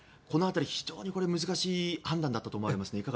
この辺り、非常に難しい判断だったと思われますが。